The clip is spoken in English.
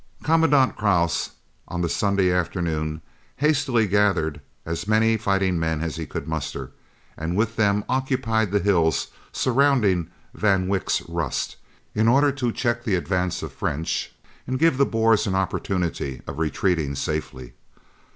Commandant Krause on the Sunday afternoon hastily gathered as many fighting men as he could muster, and with them occupied the hills surrounding Van Wyk's Rust, in order to check the advance of French and give the Boers an opportunity of retreating safely.